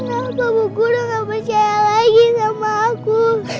kenapa bukudo gak percaya lagi sama aku